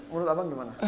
menurut abang gimana